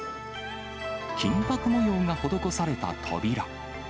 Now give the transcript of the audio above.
金ぱく模様が施された扉。